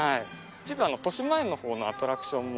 一部としまえんの方のアトラクションも。